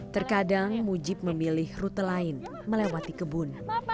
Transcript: terkadang mujib memilih rute lain melewati kebun